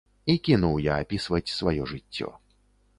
І кінуў я апісваць сваё жыццё.